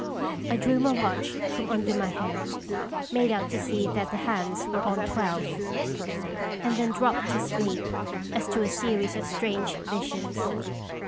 I drew my watch from under my head, made out to see that the hands. were on twelve, and then dropped to sleep as to a series of strange visions.